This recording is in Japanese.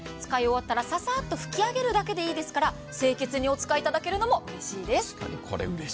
使い終わったらささっと拭き上げるだけでいいですから、清潔にお使いいただけるのもうれしいです。